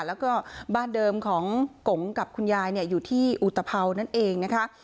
แล้วก็บ้านเดิมของกงกับคุณยายอยู่ที่อุตภาวนั่นเองนะคะ